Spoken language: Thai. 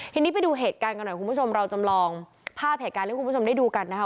ทีนี้ไปดูเหตุการณ์กันหน่อยคุณผู้ชมเราจำลองภาพเหตุการณ์ให้คุณผู้ชมได้ดูกันนะคะ